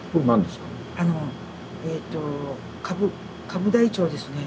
えと株台帳ですね。